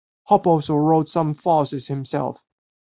Hopp also wrote some farces himself.